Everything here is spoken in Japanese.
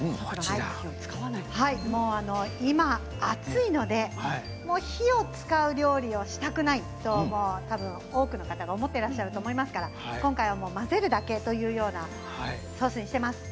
今暑いので、火を使う料理をしたくないと多くの方が思っていらっしゃると思いますが今回は混ぜるだけというようなソースにしています。